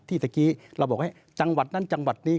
ที่เมื่อกี้เราบอกให้จังหวัดนั้นจังหวัดนี้